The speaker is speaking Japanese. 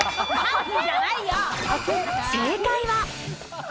正解は。